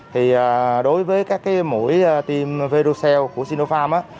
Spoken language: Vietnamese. thì đối với các cái mũi tiêm verucell của sinopharm